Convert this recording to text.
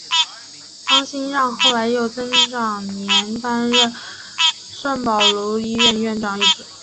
方心让后来又曾长年担任圣保禄医院院长一职。